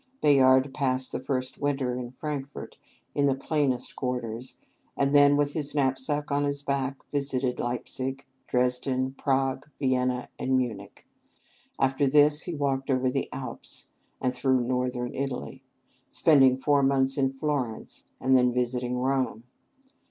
Bayard passed the first winter in Frankfort, in the plainest quarters, and then, with his knapsack on his back, visited Leipzig, Dresden, Prague, Vienna, and Munich. After this he walked over the Alps, and through Northern Italy, spending four months in Florence, and then visiting Rome.